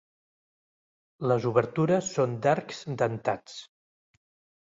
Les obertures són d'arcs dentats.